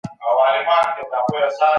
پخوانیو خلګو علمي څېړنو ته لاسرسی نه درلود.